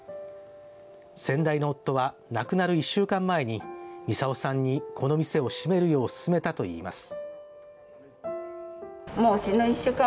先代の夫は亡くなる１週間前に操さんに、この店を閉めるよう勧めたといいます。